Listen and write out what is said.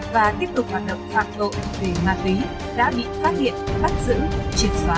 và tiếp tục hoạt động phạt đội về ma túy đã bị phát hiện bắt giữ triệt xóa